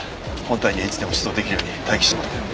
本隊にはいつでも出動出来るように待機してもらってる。